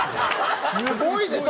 すごいですね。